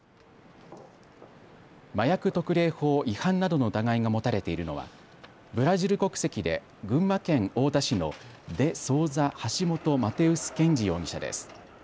麻薬特例法違反などの疑いが持たれているのはブラジル国籍で群馬県太田市のデ・ソウザ・ハシモト・マテウス・ケンジ容疑者です。